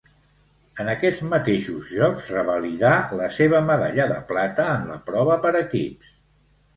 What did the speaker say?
En aquests mateixos Jocs revalidà la seva medalla de plata en la prova per equips.